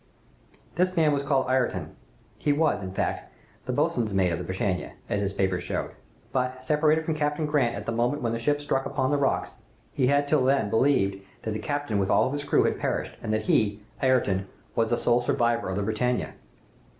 '" "This man was called Ayrton. He was, in fact, the boatswain's mate of the 'Britannia,' as his papers showed. But, separated from Captain Grant at the moment when the ship struck upon the rocks, he had till then believed that the captain with all his crew had perished, and that he, Ayrton, was the sole survivor of the 'Britannia.